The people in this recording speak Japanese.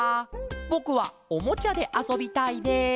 ぼくはおもちゃであそびたいです」。